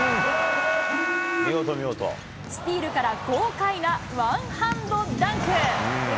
スティールから豪快なワンハンドダンク。